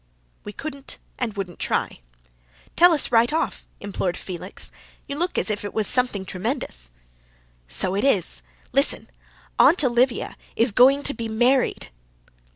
We couldn't and wouldn't try. "Tell us right off," implored Felix. "You look as if it was something tremendous." "So it is. Listen Aunt Olivia is going to be married."